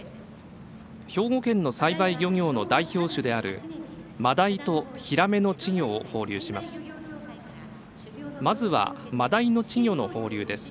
兵庫県の栽培漁業の代表種であるマダイとヒラメの稚魚を放流します。